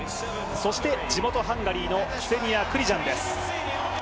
そして地元ハンガリーのクセニア・クリジャンです。